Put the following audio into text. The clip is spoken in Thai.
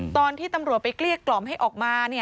ตอนที่ตำรวจไปเกลี้ยกล่อมให้ออกมา